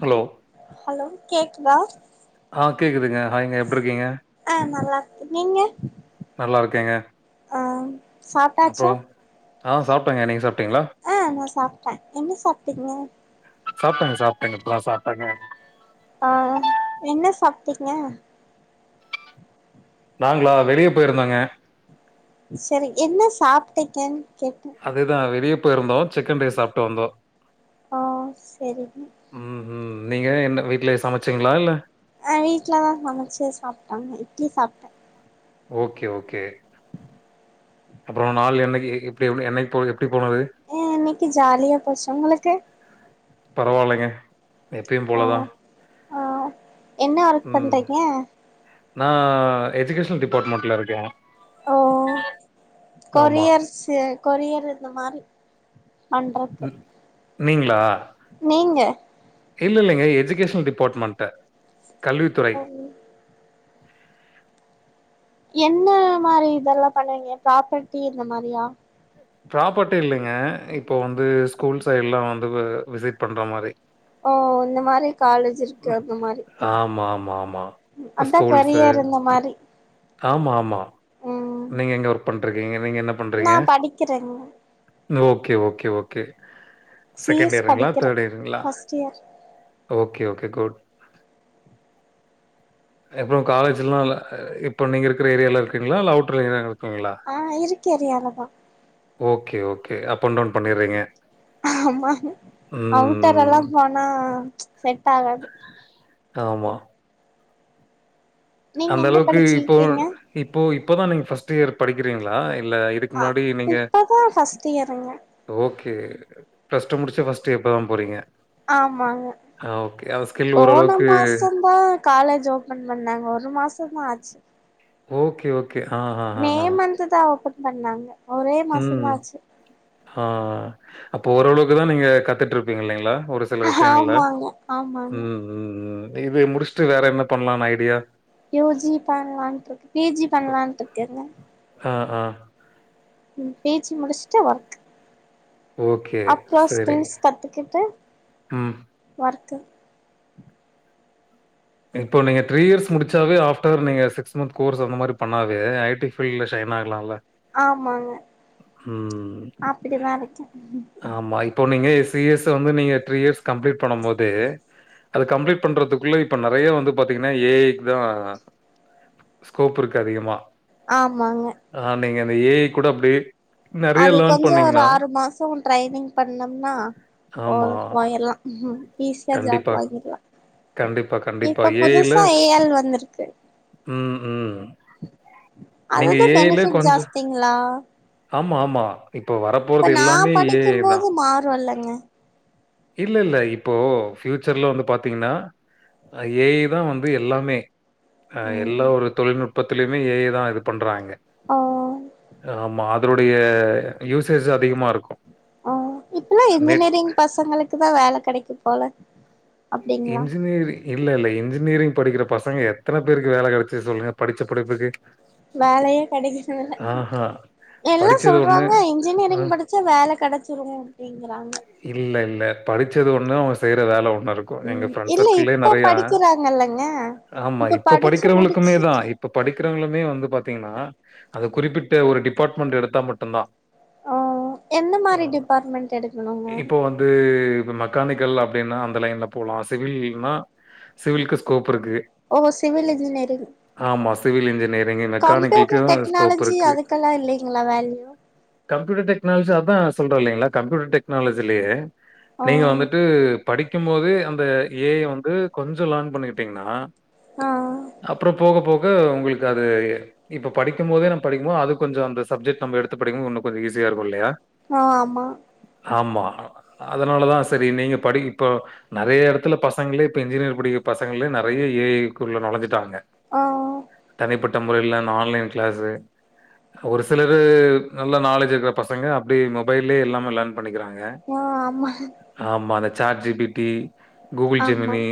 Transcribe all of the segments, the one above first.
Hello hello கேக்குதா ஆ கேக்குதுங்க ஹாய்ங்க எப்ட்ருக்கீங்க ஆ நல்லார்க்கே நீங்க நல்லார்க்கேங்க ஆ அப்றோ சாப்ட்டாச்சா ஆ சாப்ட்டங்க நீங்க சாப்ட்டீங்ளா ஆ நா சாப்ட்டே என்ன சாப்ட்டிங்க சாப்ட்டங்க சாப்ட்டங்க இப்பதா சாப்ட்டங்க ஆ என்ன சாப்ட்டீங்க நாங்ளா வெறியப் போயிருந்தோங்க செரி என்ன சாப்டிங்கன் கேட்டே அதுதா வெறியப் போயிருந்தோ சிக்கன் ரைஸ் சாப்ட்டு வந்தோ ஆ செரிங்க ம் ம் நீங்க என்ன வீட்லே சமச்சிங்ளா இல்ல அ வீட்லதா சமச்சு சாப்ட்டோங்க இட்லி சாப்ட்டே ஓகே ஓகே அப்றோ நாள் என்னகி எப்டி எப்ன என்னைக் போ எப்டி போனது அ இன்னைக்கி ஜாலியா போச்சு உங்ளுக்கு பரவாலைங்க எப்பியும் ஆ போலதா ஆ என்ன ஒர்க் ம் பண்றைங்க நா எஜுகேஷனல் டிபார்ட்மெண்ட்ல இருக்கே ஓ ஆமா கொரியர்ஸ்சு கொரியர் இந்த மாரிப் பண்றத் ம் நீங்ளா நீங்க இல்ல இல்லைங்க எஜுகேஷ்னல் டிபார்ட்மெண்ட்டு கல்வித்துறை ம் என்ன மாரி இதெல்லாம் பண்ணுவீங்க ப்ராப்பர்டி இந்த மாரியா ப்ராப்பர்ட்டி இல்லைங்க இப்ப வந்து ஸ்கூல் சைட்லா வந்து வ விசிட் பண்ற மாரி ஓ இந்த மாரி காலேஜ் இருக்கு அந்த மாரி ஆமா, ஆமா, ஆமா. அதா ஸ்கூல்ஸு கரியர் இந்த மாரி ஆமா, ஆமா ம் நீங்க எங்க ஒர்க் பண் ட்டு இருக்கீங்க, நீங்க என்ன நா பண்றீங்க? படிக்கிறேங்க ஓகே, ஓகே, ஓகே சி செகண்ட் எஸ் இயருங்களா படிக்கிறே தேர்டு இயருகங்ளா first year okay okay good அப்றொ காலேஜல்லா இல்ல இப்ப நீங்க இருக்கிற ஏரியால இருக்குங்ளா இல்ல அவுட்டர் ஏரியால இருக்கீங்களா? நா இருக்கே ஏரியாலதா okay okay up and down பண்ணிட்றீங்க ஆமாங்க, அவுட்டர் எல்லா ம். போனா செட்டாகாது ஆமா நீங்க என்ன அந்தளவுக்கு இப்போ படிச்சிருக்கீங்க இப்போ இப்போதா நீங்க ஃபர்ஸ்ட் இயர் படிக்கிறீங்களா இல்ல இதுக்கு ஆ முன்னாடி நீங்க இப்பதா ஃபர்ஸ்ட் இயருங்க ஓகே, பிளஸ் டூ முடிச்சு ஃபர்ஸ்ட் இயர் இப்பதா போறீங்க ஆமாங்க ஆ ஓகே. அந்த ஸ்கில் போன ஓரளவுக்கு மாசந்தா காலேஜ் ஓபன் பண்ணாங்க ஒரு மாசந்தா ஆச்சு ஓகே ஓ கே ஆ ஆ, ஆ, மே ஆ. மந்த்துதா ஓபன் பண்ணாங்க ஒரே ம். மாசந்தா ஆச்சு ஆ ஆ அப்போ ஓரளவுக்குதா நீங்க கத்துட்டுருப்பீங்க இல்லங்ளா ஒரு சில விஷயங்கள்ல ஆமாங்க ஆமாங்க ம் ம் ம் இது முடிச்சுட்டு வேற என்ன பண்லாம்னு ஐடியா யூ ஜி பண்ணலான்ட்டு இருக்கு பி ஜி பண்ணலான்ட்டு இருக்கேங்க ஆ ஆ ம் பி ஜி முடிச்சிட்டு ஒர்க் ஓகே. அப்றோ சரி. ஸ்கில்ஸ் கத்துக்கிட்டு ம். ஒர்க் இப்போ நீங்க திரீ இயர்ஸ் முடிச்சாவே ஆஃப்டர் நீங்க சிக்ஸ் மந்த் கோர்ஸ் அந்த மாரி பண்ணாவே ஐ டி ஃபீல்டுல சைன் ஆயிறலாம்ல ஆமாங்க அப்படிதா இருக்கே ஆமா. இப்போ போன்னீங்க சி ஸ் வந்து நீங்க திரீ இயர்ஸ் கம்ளீட் பண்ணும்போதே அது கம்ளீட் பண்றதுக்குள்ள இப் இப்ப நறைய வந்து பாத்தீங்கனா ஏ ஐ க்குதா ஸ்கோப் இருக்கு அதிகமா ஆமாங்க ஆ நீங்க அந்த ஏ ஐ கூட அப்டியே அது கொஞ்சோ ஒரு ஆறு மாசோ ட்ரைனிங் பண்ணோம்னா போ ஆமா போயிட்லா ஈஸியா ஜாப் கண்டிப்பா வாங்கிட்லா கண்டிப்பா கண்டிப்பா இப்ப ஏ ஐ ல புதுசா ஏ எள் வந்துருக்கு ம் ம் நீங்க அதஅது ஏ ஐ ல பெனிஃபிட் கொஞ்சோ ஜாஸ்திங்ளா ஆமா ஆமா இப்ப வரப் இப்ப நா படிக்கும்போது மாறு இல்லாங்க இல்ல இல்ல இப்போ ஃபியூச்சர்ல வந்து பாத்தீங்னா ஏ ஐ தா வந்து எல்லாமே ஆ எல்லா ம் ஒரு தொழில்நுட்பத்திலையுமே ஏ ஐ தா இது பண்றாங்க ஓ அ ஆமா அதனுடைய யூசேஜ் அதிகமா இருக்கு அ இப்பல்லா நெட் இன்ஜினியரிங் பசங்களுக்குதா வேல கெடைக்குபோல இன்ஜினியரிங் இல்ல இல்ல இன்ஜினியரிங் படிக்கிற பசங்க எத்தனை பேருக்கு வேலை கெடைச்சிது சொல்லுங்க படிச்ச படிப்புக்கு வேலையே கெடைக்கல ஆஹா எல்லாம் படிச்சது ஒண்ணு சொல்றாங்க ஆ இன்ஜினியரிங் படிச்சா வேலை கிடைச்சிரு அப்படிங்கறாங்க இல்ல இல்ல படிச்சது ஒன்னு அவங்க செய்யற வேலை ஒன்னாருக்கும் எங்க ம் பிரண்ட்ஸ் இல்ல சர்க்கிள்ளயே இப்ப நிறையா படிக்கிறாங்கல்லங்க ஆமா இப்ப படிச்சு படிக்கிறவங்களுக்குமே தான் முடிச்சுட்டு இப் இப்ப படிக்கிறவங்களுமே வந்து பாத்தீங்கன்னா அந்த குறிப்பிட்ட ஒரு டிப்பார்ட்மெண்ட் எடுத்தா மட்டும்தான் எந்த மாரி டிபார்ட்மெண்ட் எடுக்கணுங்க இப்போ வந்து மெக்கானிக்கல் அப்டின்னா அந்த லைன்ல போலாம் சிவில்னா சிவில்க்கு ஸ்கோப் இருக்கு ஓ சிவில் இன்ஜினியரிங் ஆமா சிவில் இன்ஜினியரிங் கம்ப்யூட்டர் மெக்கானிக்கலுக்கும் ஸ்கோப் டெக்னாலஜி இருக்கு அதுக்கெல்லா இல்லைங்களா வேல்யூ கம்யூட்டர் டெக்னாலஜி அதான் சொல்றே இல்லீங்களா கம்யூட்டர் டெக்னாலஜிலயே ஓ நீங்க வந்துட்டு படிக்கும் போதே அந்த ஏ ஐ வந்து கொஞ்சம் லேர்ன் பண்ணிக்கிட்டீங்கன்னா ஆ அப்புறம் போக போக வந்து உங்களுக்கு அது இப்ப படிக்கும் போதே நம் படிக்கும் போது அது கொஞ்ச அந்த சப்ஜெக்ட் நம்ம எடுத்து படிக்கும் போது இன்னும் கொஞ்சம் ஈசியா இருக்கும் இல்லையா ஆமா ஆமா அதனால தான் சரி நீங்க படிக் இப்போ நிறைய இடத்துல பசங்களே இப்போ இன்ஜினியர் படிக்கிற பசங்களே நிறையா ஏஐகுள்ள நொழஞ்சுட்டாங்க ஓ தனிப்பட்ட முறையில அந்த ஆன்லைன் கிளாஸ்ஸு ஒரு சிலர் நல்ல நாலேஜ் இருக்கிற பசங்க அப்படி மொபைல்லே எல்லாம லேர்ன் பண்ணிக்கிறாங்க ஆ ஆமா ஆமா அந்த சார்ஜுபிடி கூகுள் ஆமா ஜெமினி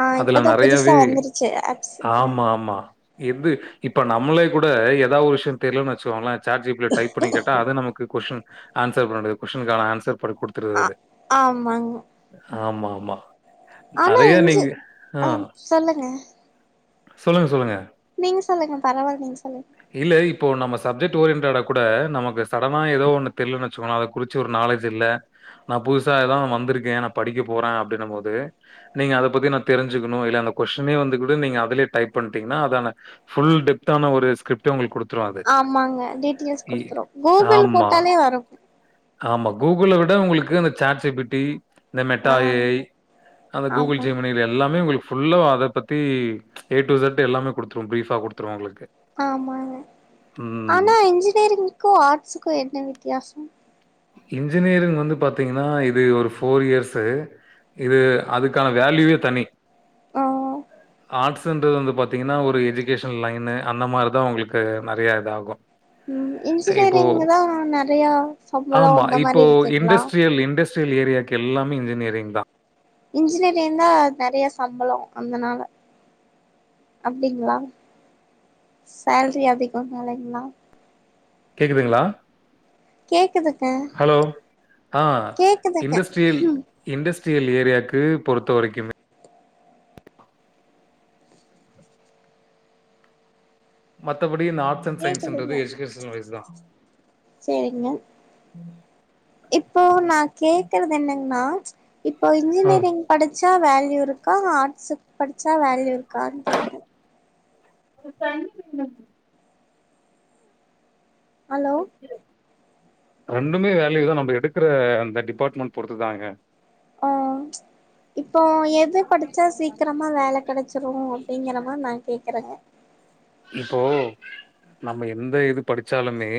ஆ அதுல இப்பதா புதுசா நிறையாவே வந்துருச்சு ஆப்ஸ் ம் ஆமாம் ஆமா எது இப்ப நம்மளே கூட ஏதாவது ஒரு விஷயம் தெரியலன்னு வச்சுக்கோங்களேன் சார்ட்ஜுப்ல டைப் பண்ணி கேட்டா அது நமக்கு கொஸ்டின் ஆன்சர் பண்ணது கொஸ்டினுக்கான ஆன்சர் பண்ணி ஆ கொடுத்துருது அது ஆமாங்க ஆமாமா ஆனா அதையே இஞ்சி நீங்க ஆ சொல்லுங்க சொல்லுங்க நீங்க சொல்லுங்க பரவாயில்ல நீங்க சொல்லுங்க இல்ல இப்போ நம்ம சப்ஜெக்ட் ஓரியன்டடா கூட நமக்கு சடனா ஏதோ ஒன்னு தெரிலன்னுவச்சுக்கோங்க குறிச்சு ஒரு நாலேஜ் இல்ல நான் புதுசா ஏதா வந்திருக்கேன் நான் படிக்க போறேன் அப்டினும் போது நீங்க அத பத்தி நான் தெரிஞ்சுக்கணும் இல்ல அந்த கொஸ்டினே வந்துகூட நீங்க அதுலயே டைப் பண்ணிட்டீங்கன்னா அதனா ஃபுல் டெப்தான ஒரு ஸ்கிரிப் ட் உங்களுக்கு குடுத்துரும் அது ஆமாங்க டீட்டெயில்ஸ் குடுத்துரு கூகுள் ஆமா போட்டாலே வரு ஆமா கூகுளை விட உங்களுக்கு அந்த சேட் ஜி பி டி இந்த மெட்டா ஆ ஏ ஐ அந்த கூகுள் ஆமா ஜெமினியில் எல்லாமே உங்களுக்கு ஃபுல்லா அதை பத்தி ஏ டு ஜெட் எல்லாமே குடுத்துருவோம் ப்ரீஃபா கொடுத்துரும் உங்களுக்கு ஆமாங்க ம். ஆனா இன்ஜினியரிங்கு ஆர்ட்ஸுக்கும் என்ன வித்தியாசம் இன்ஜினியரிங் வந்து பாத்தீங்கன்னா இது ஒரு ஃபோர் இயர்ஸு இது அதுக்கான வேல்யூவே தனி ஆ ஆர்ட்ஸ்ன்றது வந்து பாத்தீங்கன்னா ஒரு எஜுகேஷன் லைனு அந்த மாரி தான் உங்களுக்கு நெறையா இதா ஆகும் ம் இன்ஜினியரிங்ல தான் நெறையா சம்பளோ ஆமா அந்த மாரி இப்போ இருக்குங்களா இண்டஸ்ட்ரியல் இண்டஸ்ட்ரியல் ஏரியாக்கு எல்லாமே இன்ஜினியரிங் தான் இன்ஜினியரிங்னா நிறையா சம்பளம் அதனால அப்டிங்களா சேல்ரி அதிகம் அதனாலைங்களா கேக்குதுங்ளா கேக்குதுங்க ஹலோ ஆ கேக்குதுங்க இண்டஸ்ட்ரியல் ம் இண்டஸ்ட்ரியல் ஏரியாவுக்கு பொறுத்த வரைக்கிமே மத்தபடி நாட் கேக்குதுங்க சேரிங்க இப்போ நா கேக்குறது என்னங்னா இப்போ ஆ இன்ஜினியரிங் படிச்சா வேல்யூ இருக்கா ஆர்ட்ஸுக்கு படிச்சா வேல்யூ இருக்கான்னு கேக்குறே [unintelligible] ஹலோ ரெண்டுமே வேல்யூ தா நம்ம எடுக்கிற அந்த டிபார்ட்மெண்ட் பொறுத்து தாங்க இப்போய் எது படித்தா சீக்கிரமாக வேல கிடச்சிரு அப்டிங்கிற மாதி நா கேட்குறேங்க இப்போ நம்ம எந்த இது படிச்சாலுமே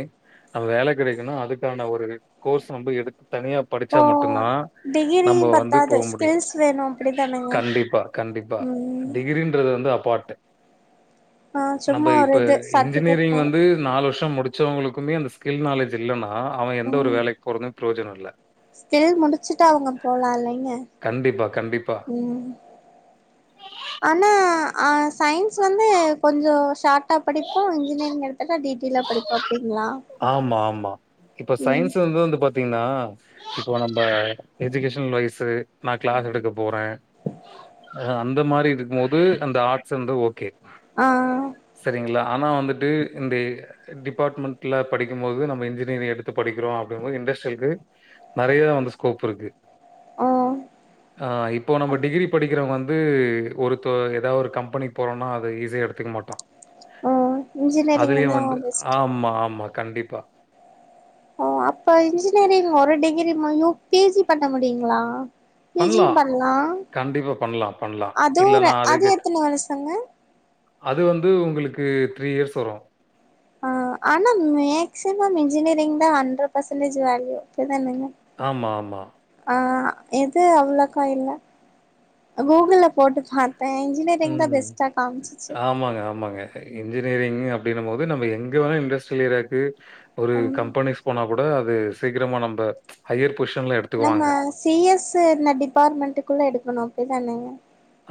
நம வேலகெடைக்கனுன்னா அதுக்கான ஒரு கோர்ஸ் நம்ம எடுத்து தனியா இப்போ படிச்சா மட்டுந் தா டிகிரி நம்ம வந்து பத்தாது போவ் முடியு ஸ்கில்ஸ் வேணு அப்டிதானங்க கண்டிப்பா கண்டிப்பா ம் டிகிரின்றது வந்து அப்பாட் ஆ நம்ம சும்மா ஒரு இப்ப இது சர்டிபிகேட் இன்ஜினியரிங் மாரி வந்து நாலு வருஷோ முடிச்சவங்களுக்குமே அந்த ஸ்கில் நாலேஜ் இல்லன்னா அவ எந்த ஒரு ம் வேலக்கி போறது பிரயோஜனம் இல்ல ஸ்கில் முடிச்சுட்டு அவுங்க போலால்லைங்க கண்டிப்பா கண்டிப்பா ம் ஆனா ஆ சயின்ஸ் வந்து கொஞ்சோ ஷாட்டா படிப் போ இன்ஜினியரிங் எடுத்தனா டீடி ஆமாமா இப்ப ம் சயின்ஸ் வந்துது பாத் தீங்ளா இப்போ நம்ம எஜுகேஷன் லைஃபு நா கிளாஸ் எடுக்க போற அந்த மாரி இருக்கும் போது அந்த ஆர்ட்ஸ் வந்து ஓகே ஆ செரிங்களா ஆனா வந்துட்டு இந்தி டிபார்ட்மெண்ட்ல படிக்கும் போது நம்ம இன்ஜினியரிங் எடுத்து படிக்கிறோ அப்டிங்கும்போது இண்டஸ்ட்ரியலு நறையாவ வந்து ஸ்கோப் இருக்கு ஓ ஆ இப்போ நம்ம அது டிகிரி படிக்கிறவுங்க வந்து ஒரு இப்போ ஏதாவ் ஒரு கம்பெனிக்கு போறோன்னா அது ஈஸியா எடுத்துக்க மாட்டா ம் இன்ஜினியரிங்வந்துலா பெஸ்ட் ம்மா ஆமா கண்டிப்பா ஓ அப்ப இன்ஜினியரிங் ஒரு டிகிரி முடியும் பிஜி பண்ண முடியுங்களா பிஜியும் பண்ணலாம். பண்லா கண்டிப்பா பண்ணலாம், பண்ணலாம். அதுவு இல்ல நான் அது அதுக்கு எத்தன வருசங்கே அது வந்து உங்களுக்கு த்ரீ இயர்ஸ் வரு ஆ ஆனா மேக்சிமம் இன்ஜினியரிங் தா ஹண்ட்ரட் பசன்டேஜ் வேல்யூ அப்பிடிதானுங்க ஆமா ஆமா ஆ எது அவ்வளோக்கா இல்ல கூகுல்ல போட்டு பாத் தே இன்ஜினேயரிங் தா பேஸ்டா காம்ச்சிச்சி ஆமாங்கே ஆமாங்கே இன்ஜினியரிங் அப்டின்ன போது நம்ம எங்க வேணு இண்டஸ்ட்ரியல் ஏரியாக்கு ஒரு ம் கம்பெனி ஸ் போனா கூட அது சீக்கிரமா நம்ம ஹையர் பொசிஷனல நம்ம எடுத்துக்குவாங்க சி எஸ் ஸு இந்த டிபார்ட்மெண்ட்டுக்குள்ளே எடுக்கணு அப்டி தானேங்கே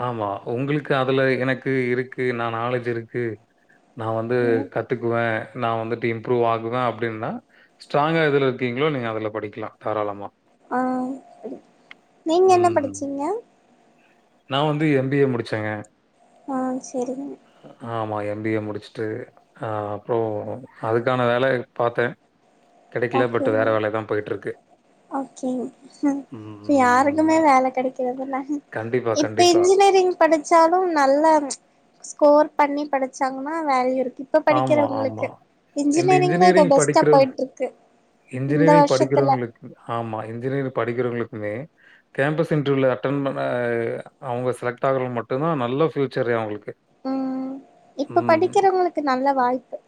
ஆமா உங்களுக்கு அதுல எனக்கு இருக்கு நா நாலேஜ் இருக்கு நா வந்து ம் கத்துக்குவே நா வந்துட்டு இம்ப்ரூவ் ஆகுவே அப்டின்னா ஸ்ட்ராங்கா எதுல இருக்கீங்களோ நீங்க அதுல படிக்கலா தாராளமா ஆ அப்பிடி நீங்க என்ன படிச்சிங்க நா வந்து எம் பி ஏ முடுச்சேங்க ஆ செரிங்க ஆமா எம் பி ஏ முடுச்சுட்டு ஆ அப்பறோ அதுக்கான வேலை பாத்தே கெடைக்கல பட் வேற வேலை தா போயிட்ருக்கு ஓகே இப்ப யாருக்குமே ம். வேல கெடைக்கலதான கண்டிப்பா, கண்டிப்பா இன்ஜினியரிங் படுச்சாலு நல்ல ஸ்கோர் பண்ணி படுச்சாங்கன்னா வேல்யு இருக்கு இப்ப ஆமா, ஆமா. படிக்கிறவுங்களுக்கு இந்த இன்ஜினியரிங்தா இப்ப இன்ஜினியரிங் பெஸ்ட்டா படிக்கிற போயிட்ருக்கு இந்த இன்ஜினியரிங் வருஷத்துல படிக்கிறவங்களுக்கு ஆமா இன்ஜினியரிங் படிக்கிறவுங்களுக்குமே கேம்பஸ் இன்டர்வியூல அட்டன் பண்ண அவுங்க செலக்ட் ஆகுறவுங் மட்டுந்தா நல்ல ஃப்யூச்சரே அவங்களுக்கு ம் இப்ப ம். படிக்கிறவுங்களுக்கு நல்ல வாய்ப்பு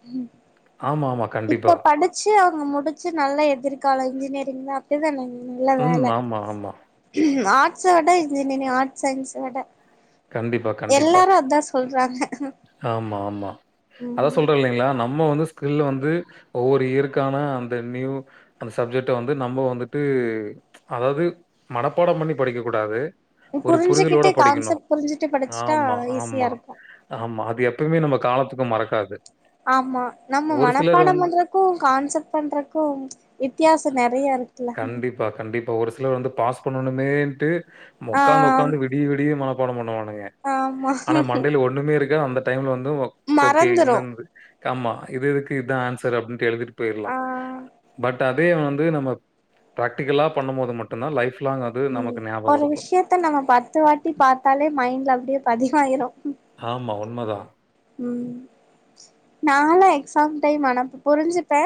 ஆமாமா இப்ப படுச்சு அவங்க முடுச்சு நல்ல எதிர்காலம் இன்ஜினியரிங் தா [unintelligible] நல்ல ம். வேல ஆமா, ஆமா. ஆட்ஸ விட இன்ஜினியரிங் ஆட்ஸ் சயின்ஸ விட கண்டிப்பா கண்டிப்பா எல்லாரு அதா சொல்றாங்க ஆமா ஆமா அதா சொல் றே ம் இல்லைங்களா நம்ம வந்து ஸ்கில்லு வந்து ஒவ்வொரு இயருக்கான அந்த நியூ அந்த சப்ஜெக்ட வந்து நம்ம வந்துட்டு அதாவது மனப்பாடம் பண்ணி படிக்க கூடாது ஒரு புரிதலோட புரிஞ்சுக்கிட்டு படிக்கணு கான்செப்ட் புரிஞ்சுட்டு படிச்சுட்டா ஆமா ஆமா ஈஸியா இருக்கு ஆமா அது எப்பவுமே நம்ம காலத்துக்கு மறக்காது ஆமா நம்ம ஒரு சிலர் மனப்பாடம் வந்து பண்றக்கு கான்செப்ட் பண்றக்கு வித்தியாசோ நெறைய இருக்குல்ல ப்பா கண்டிப்பா ஒரு சிலர் வந்து பாஸ் பண்ணணுமேட்டு மொக்காந்து ஆ ஒக்காந்து விடிய விடிய மன மனப்பாடொ பண்னுவானுங்க ஆமா ஆனா மண்டேல ஒண்ணுமே இருக்காது அந்த டைம்ல வந்து ஓகே இந்த மறந்துரு ஆமா இது இதுக்கு இதா ஆன்சர் அப்டின்னுட்டு எழுதிட்டு போயற்லா ஆ பட் பட் அதே வந்து நம்ம பிராக்டிகலா பண்ணும் போது மட்டுந்தா லைஃப் லாங் அது நமக்கு ஞாபகோ இருக்கு புக்க பத்து வாட்டி பாத்தாலே மைண்ட்ல அப்டியே பதிவாயிரு ஆமா உண்ம தா ம் நாளா எக்ஸாம் டைம் ஆனா இப்ப புருஞ்சுப்பே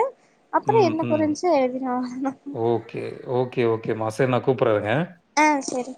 அப்பறோ என்ன புருஞ்சோ எழுதிருவே அவ்ளதா கே ஓகே ஓகே மா சேர் நா கூப்பற்றே இருங்க ஆ செரி